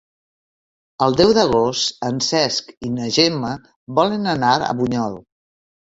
El deu d'agost en Cesc i na Gemma volen anar a Bunyol.